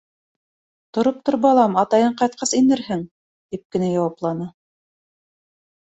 — Тороп тор, балам, атайың ҡайтҡас инерһең, — тип кенә яуапланы.